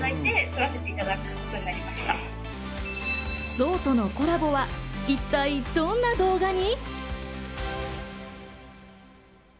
ぞうとのコラボは一体どんな動画に。